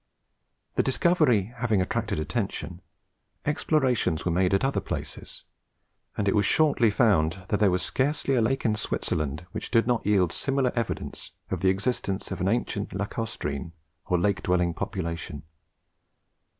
The discovery having attracted attention, explorations were made at other places, and it was shortly found that there was scarcely a lake in Switzerland which did not yield similar evidence of the existence of an ancient Lacustrine or Lake dwelling population.